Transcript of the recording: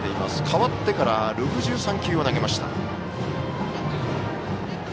代わってから６３球を投げました。